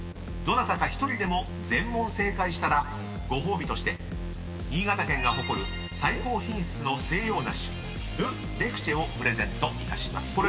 ［どなたか１人でも全問正解したらご褒美として新潟県が誇る最高品質の西洋梨ル・レクチェをプレゼントいたします。